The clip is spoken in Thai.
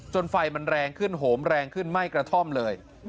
ไฟมันแรงขึ้นโหมแรงขึ้นไหม้กระท่อมเลย